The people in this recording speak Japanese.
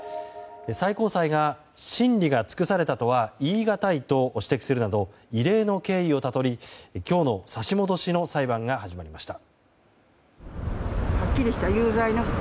最高裁が審理が尽くされたとはいいがたいと指摘するなど異例の経緯をたどり今日の差し戻しの裁判が始まりました。